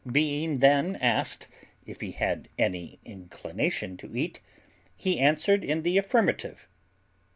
Being then asked if he had any inclination to eat, he answered in the affirmative.